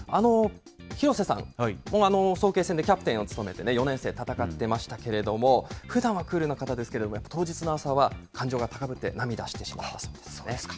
廣瀬さん、早慶戦でキャプテンを務めて、４年生戦ってましたけれども、ふだんはクールな方ですけれども、当日の朝は感情が高ぶって涙してしまうそうですね。